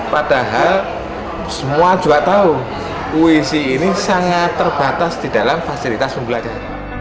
padahal semua juga tahu uisi ini sangat terbatas di dalam fasilitas pembelajaran